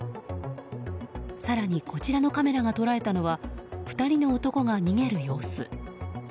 更にこちらのカメラが捉えたのは２人の男が逃げる様子。